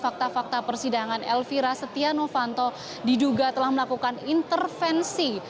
kata persidangan elvira setia novanto diduga telah melakukan intervensi